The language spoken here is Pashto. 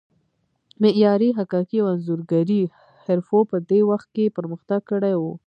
معمارۍ، حکاکۍ او انځورګرۍ حرفو په دې وخت کې پرمختګ کړی و.